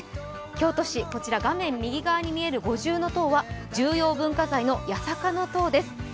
京都市、こちら画面右側に見える五重塔は重要文化財の八坂塔です。